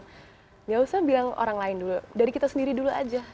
tidak usah bilang orang lain dulu dari kita sendiri dulu aja